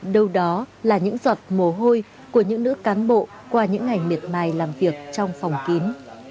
đâu đó là những giọt mồ hôi của những nữ cán bộ qua những ngày miệt mài làm việc trong phòng kín